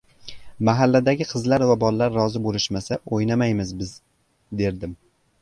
Mahalladagi qizlar va bollar rozi boʻlishmasa oʻynamaymiz biz derdim.